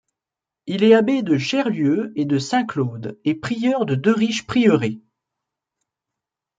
Il est abbé de Cherlieu et de Saint-Claude et prieur de deux riches prieurés.